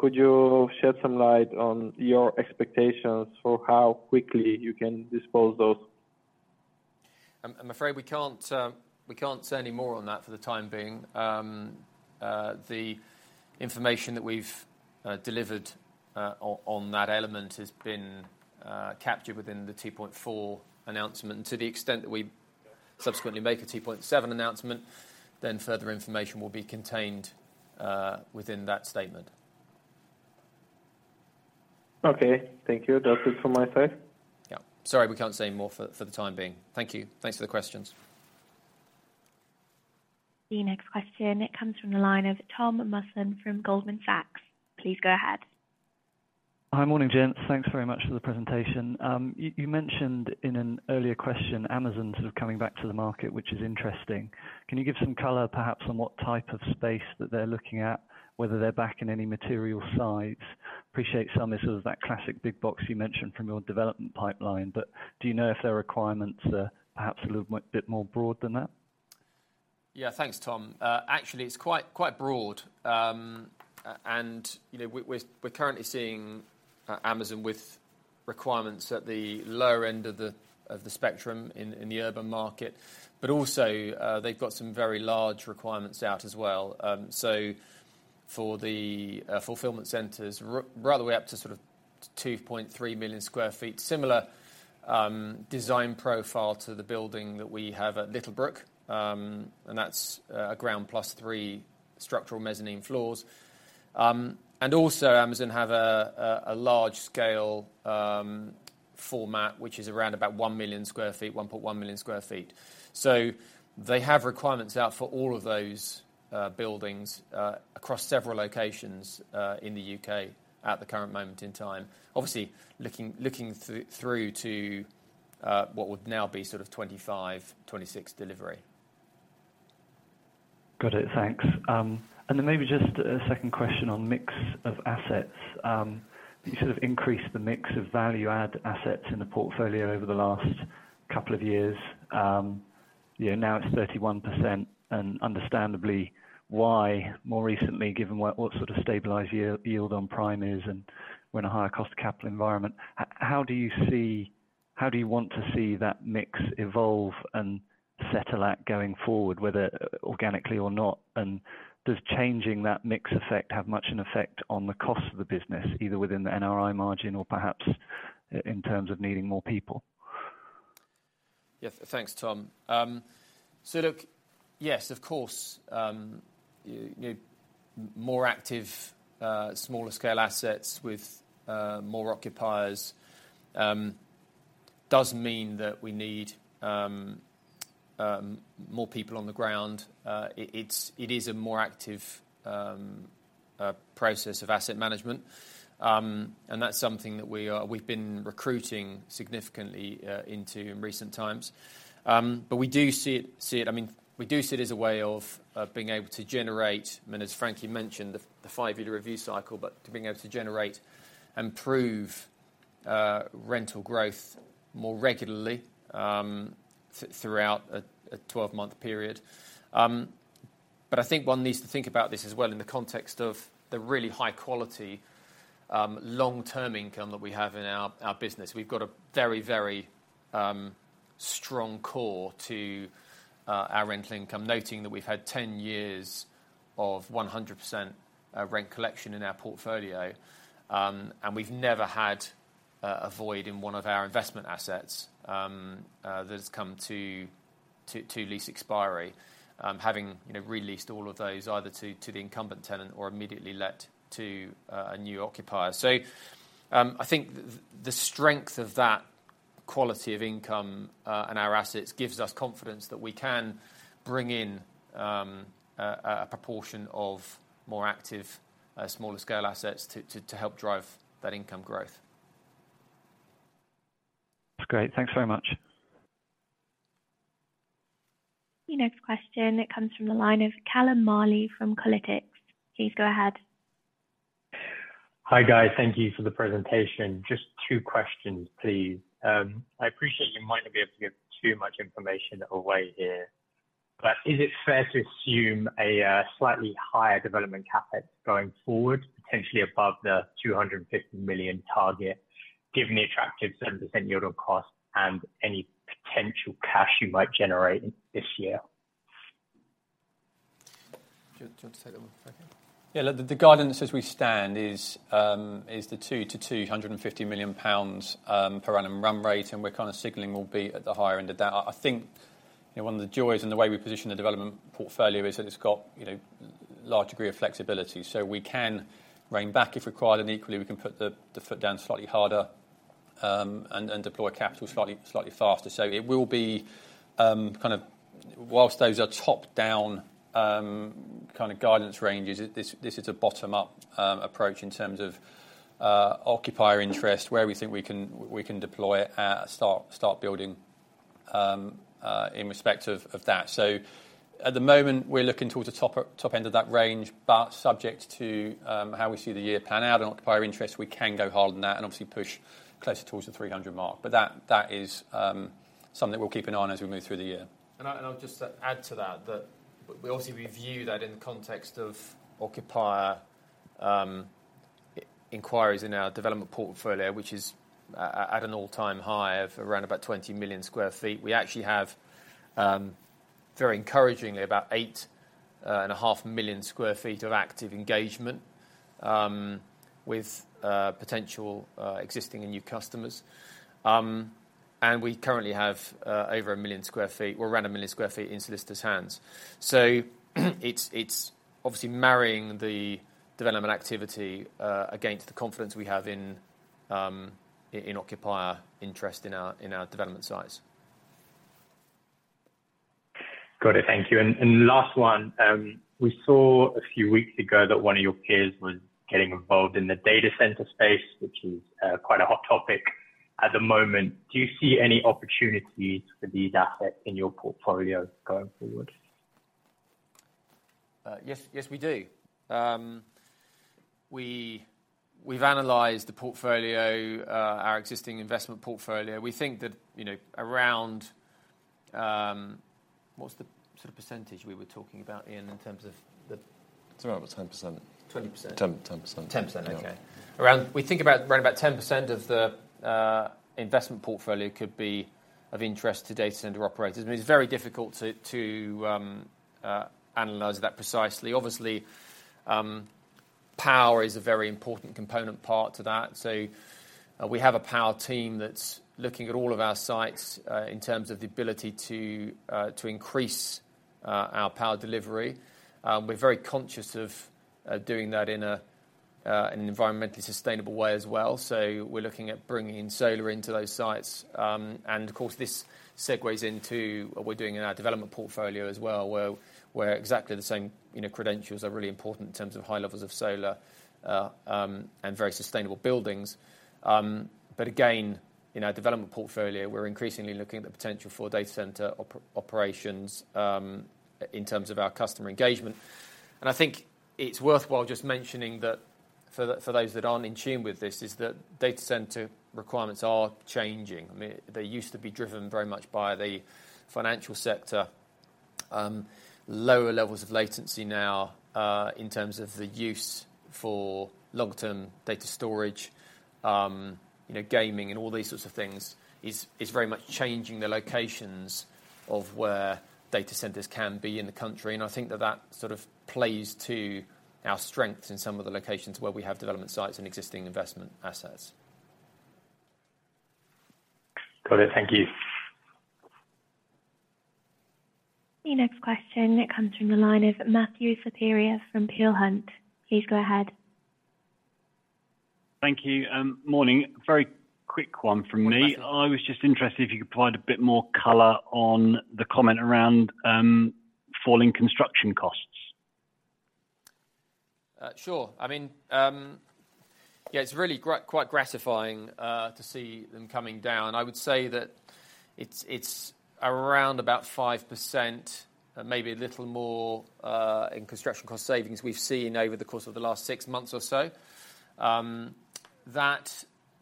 Could you shed some light on your expectations for how quickly you can dispose those? I'm afraid we can't say any more on that for the time being. The information that we've delivered on that element has been captured within the 2.4 announcement. To the extent that we subsequently make a 2.7 announcement, then further information will be contained within that statement. OK, thank you. That's it from my side. Yeah, sorry, we can't say any more for the time being. Thank you. Thanks for the questions. The next question, it comes from the line of Tom Maylin from Goldman Sachs. Please go ahead. Hi. Morning, Jens. Thanks very much for the presentation. You mentioned in an earlier question Amazon sort of coming back to the market, which is interesting. Can you give some color, perhaps, on what type of space that they're looking at, whether they're back in any material size? Appreciate some is sort of that classic big box you mentioned from your development pipeline. But do you know if their requirements are perhaps a little bit more broad than that? Yeah, thanks, Tom. Actually, it's quite broad. We're currently seeing Amazon with requirements at the lower end of the spectrum in the urban market. But also, they've got some very large requirements out as well. So for the fulfillment centers, right the way up to sort of 2.3 million sq ft, similar design profile to the building that we have at Littlebrook. And that's a ground plus three structural mezzanine floors. And also, Amazon have a large-scale format, which is around about 1 million sq ft, 1.1 million sq ft. So they have requirements out for all of those buildings across several locations in the U.K. at the current moment in time, obviously looking through to what would now be sort of 2025, 2026 delivery. Got it, thanks. And then maybe just a second question on mix of assets. You sort of increased the mix of value-add assets in the portfolio over the last couple of years. Now it's 31%, and understandably why, more recently, given what sort of stabilized yield on prime is and we're in a higher cost of capital environment? How do you see how do you want to see that mix evolve and settle at going forward, whether organically or not? And does changing that mix affect have much an effect on the cost of the business, either within the NRI margin or perhaps in terms of needing more people? Yeah, thanks, Tom. So look, yes, of course, more active smaller-scale assets with more occupiers does mean that we need more people on the ground. It is a more active process of asset management. And that's something that we've been recruiting significantly into in recent times. But we do see it I mean, we do see it as a way of being able to generate I mean, as Frankie mentioned, the five-year review cycle, but being able to generate and prove rental growth more regularly throughout a 12-month period. But I think one needs to think about this as well in the context of the really high-quality, long-term income that we have in our business. We've got a very, very strong core to our rental income, noting that we've had 10 years of 100% rent collection in our portfolio. We've never had a void in one of our investment assets that has come to lease expiry, having released all of those either to the incumbent tenant or immediately let to a new occupier. So I think the strength of that quality of income and our assets gives us confidence that we can bring in a proportion of more active smaller-scale assets to help drive that income growth. That's great. Thanks very much. The next question, it comes from the line of Callum Marley from Colitics. Please go ahead. Hi guys, thank you for the presentation. Just two questions, please. I appreciate you might not be able to give too much information away here. But is it fair to assume a slightly higher development CapEx going forward, potentially above the 250 million target, given the attractive 7% yield on cost and any potential cash you might generate this year? Just say that one second. Yeah, the guidance as we stand is the 2% to 250 million pounds per annum run rate. And we're kind of signaling we'll be at the higher end of that. I think one of the joys in the way we position the development portfolio is that it's got a large degree of flexibility. So we can rein back if required, and equally, we can put the foot down slightly harder and deploy capital slightly faster. So it will be kind of whilst those are top-down kind of guidance ranges, this is a bottom-up approach in terms of occupier interest, where we think we can deploy it at start building in respect of that. So at the moment, we're looking towards the top end of that range. Subject to how we see the year plan out on occupier interest, we can go hard on that and obviously push closer towards the 300 mark. That is something that we'll keep an eye on as we move through the year. And I'll just add to that that we obviously review that in the context of occupier inquiries in our development portfolio, which is at an all-time high of around 20 million sq ft. We actually have, very encouragingly, 8.5 million sq ft of active engagement with potential existing and new customers. And we currently have over 1 million sq ft or around 1 million sq ft in solicitor's hands. So it's obviously marrying the development activity against the confidence we have in occupier interest in our development sites. Got it, thank you. And last one. We saw a few weeks ago that one of your peers was getting involved in the data center space, which is quite a hot topic at the moment. Do you see any opportunities for these assets in your portfolio going forward? Yes, we do. We've analyzed the portfolio, our existing investment portfolio. We think that around what's the sort of percentage we were talking about, Ian, in terms of the. It's around about 10%. 20%. 10%. 10%, OK. We think around about 10% of the investment portfolio could be of interest to data center operators. I mean, it's very difficult to analyze that precisely. Obviously, power is a very important component part to that. So we have a power team that's looking at all of our sites in terms of the ability to increase our power delivery. We're very conscious of doing that in an environmentally sustainable way as well. So we're looking at bringing in solar into those sites. And of course, this segues into what we're doing in our development portfolio as well, where exactly the same credentials are really important in terms of high levels of solar and very sustainable buildings. But again, in our development portfolio, we're increasingly looking at the potential for data center operations in terms of our customer engagement. And I think it's worthwhile just mentioning that for those that aren't in tune with this is that data center requirements are changing. I mean, they used to be driven very much by the financial sector. Lower levels of latency now in terms of the use for long-term data storage, gaming, and all these sorts of things is very much changing the locations of where data centers can be in the country. And I think that that sort of plays to our strengths in some of the locations where we have development sites and existing investment assets. Got it, thank you. The next question, it comes from the line of Matthew Sheridan from Peel Hunt. Please go ahead. Thank you. Morning. Very quick one from me. I was just interested if you could provide a bit more color on the comment around falling construction costs. Sure. I mean, yeah, it's really quite gratifying to see them coming down. I would say that it's around about 5%, maybe a little more in construction cost savings we've seen over the course of the last six months or so.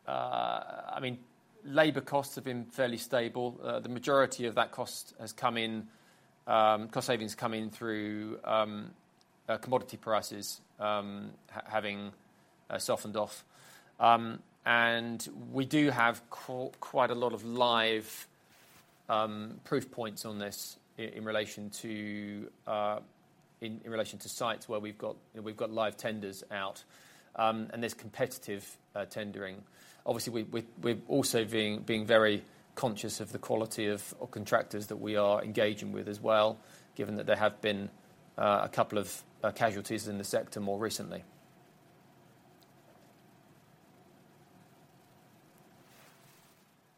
I mean, labor costs have been fairly stable. The majority of that cost has come in cost savings come in through commodity prices having softened off. And we do have quite a lot of live proof points on this in relation to sites where we've got live tenders out and this competitive tendering. Obviously, we're also being very conscious of the quality of contractors that we are engaging with as well, given that there have been a couple of casualties in the sector more recently.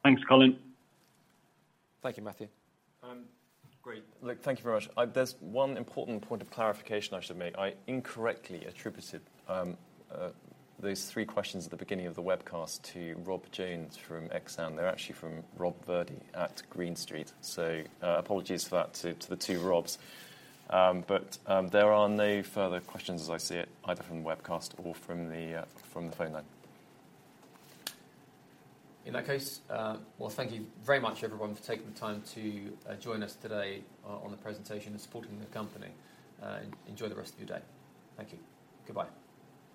Thanks, Colin. Thank you, Matthew. Great. Look, thank you very much. There's one important point of clarification I should make. I incorrectly attributed these three questions at the beginning of the webcast to Rob James from Exane. They're actually from Rob Sherdy at Green Street. So apologies for that to the two Robs. But there are no further questions, as I see it, either from the webcast or from the phone line. In that case, well, thank you very much, everyone, for taking the time to join us today on the presentation and supporting the company. Enjoy the rest of your day. Thank you. Goodbye.